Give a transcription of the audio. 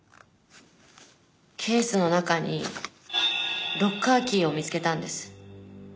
ケースの中にロッカーキーを見つけたんです。